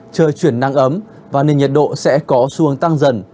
trời chuyển năng ấm và nền nhiệt độ sẽ có xu hướng tăng dần